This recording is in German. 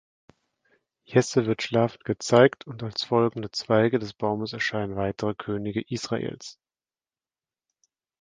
Jesse wird schlafend gezeigt und als folgende Zweige des Baumes erscheinen weitere Könige Israels.